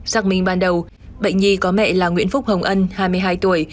xác minh ban đầu bệnh nhi có mẹ là nguyễn phúc hồng ân hai mươi hai tuổi